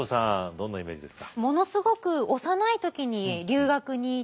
どんなイメージですか。